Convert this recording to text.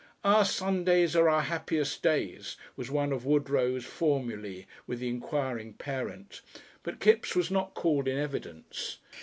"Our Sundays are our happiest days," was one of Woodrow's formulæ with the inquiring parent, but Kipps was not called in evidence.